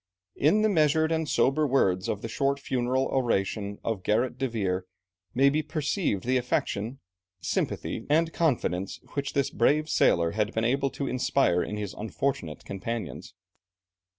In the measured and sober words of the short funeral oration of Gerrit de Veer may be perceived the affection, sympathy, and confidence which this brave sailor had been able to inspire in his unfortunate companions.